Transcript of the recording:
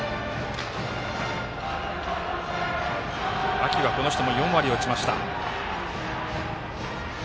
秋はこの人も４割を打ちました。